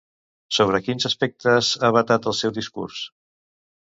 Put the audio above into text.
Sobre quins aspectes ha vetat el seu discurs?